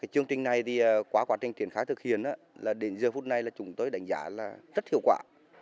hôm nay thì quá quá trình triển khái thực hiện là đến giờ phút này là chúng tôi đánh giá là rất hiệu quả